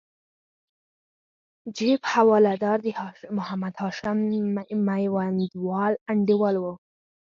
حبیب حوالدار د محمد هاشم میوندوال انډیوال وو.